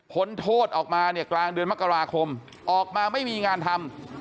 โทษออกมาเนี่ยกลางเดือนมกราคมออกมาไม่มีงานทำ